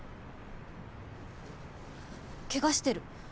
ケガしてる。